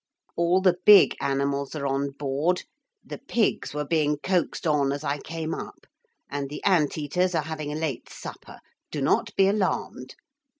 All the big animals are on board; the pigs were being coaxed on as I came up. And the ant eaters are having a late supper. Do not be alarmed.'